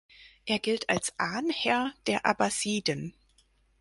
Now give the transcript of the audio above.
Er gilt als Ahnherr der Abbasiden.